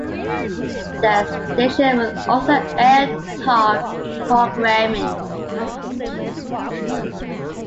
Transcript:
The station will also air talk programming.